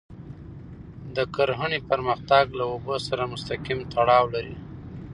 د کرهڼې پرمختګ له اوبو سره مستقیم تړاو لري.